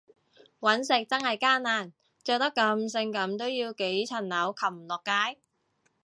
搵食真係艱難，着得咁性感都要幾層樓擒落街